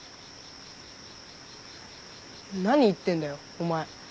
何言ってんだよお前。